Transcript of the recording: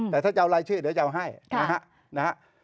แต่ถ้าเจ้าไล่ชื่อเดี๋ยวเจ้าให้นะฮะ